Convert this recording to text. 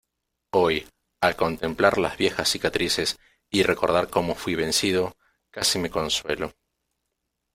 hoy, al contemplar las viejas cicatrices y recordar cómo fuí vencido , casi me consuelo.